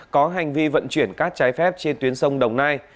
có hành vi vận chuyển cát trái phép trên tuyến sông đồng nai